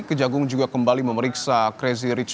kejagung juga kembali memeriksa crazy rich pig helena lim